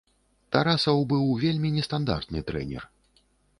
Тарасаў быў вельмі нестандартны трэнер.